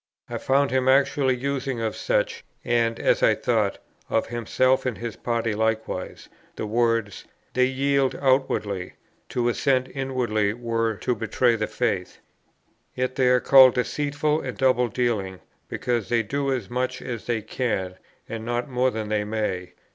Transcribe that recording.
I found him actually using of such (and, as I thought, of himself and his party likewise) the words 'They yield outwardly; to assent inwardly were to betray the faith. Yet they are called deceitful and double dealing, because they do as much as they can, and not more than they may.'